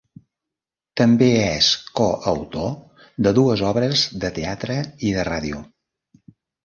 També és coautor de dues obres de teatre i de ràdio.